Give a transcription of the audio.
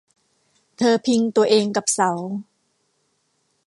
เธอพิงตัวเองกับเสา